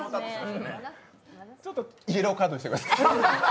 ちょっと、イエローカードにしてください。